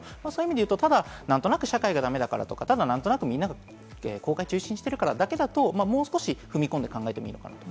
ただ何となく社会がダメだからとか、何となく、みんなが公開中止にしてるからだけだともう少し踏み込んで考えてもいいのかなと。